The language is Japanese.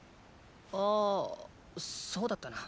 あぁそうだったな。